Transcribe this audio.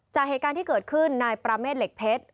จากเหตุการณ์ที่เกิดขึ้นนายปราเมฆเหล็กเพชร